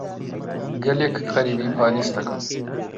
گەلێک غەریبی پاریس دەکەم.